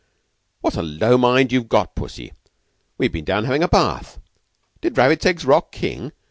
"What a low mind you've got, Pussy! We've been down having a bath. Did Rabbits Eggs rock King?